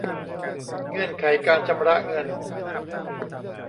เงื่อนไขการชำระเงิน